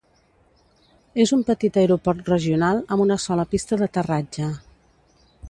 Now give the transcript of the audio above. És un petit aeroport regional, amb una sola pista d'aterratge.